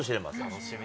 楽しみ。